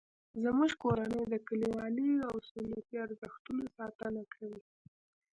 زموږ کورنۍ د کلیوالي او سنتي ارزښتونو ساتنه کوي